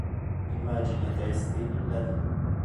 Immagini e testi in ladino